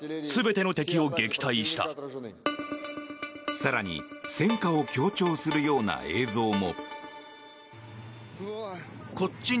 更に戦果を強調するような映像も。